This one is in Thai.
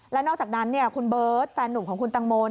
แล้วนอกจากนั้นคุณเบิร์ตแฟนหนุ่มของคุณตังโม